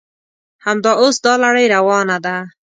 همدا اوس دا لړۍ روانه ده.